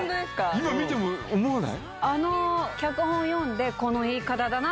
今見ても思わない？